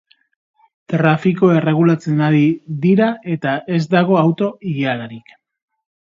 Trafikoa erregulatzen ari dira eta ez dago auto-ilararik.